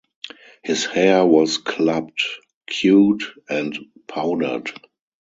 His hair was clubbed, queued, and powdered.